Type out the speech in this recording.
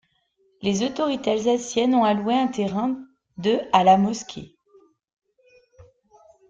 Les autorités alsaciennes ont alloué un terrain de à la mosquée.